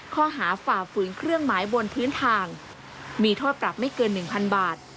ฝ่าฝืนเครื่องหมายบนพื้นทางมีโทษปรับไม่เกิน๑๐๐บาท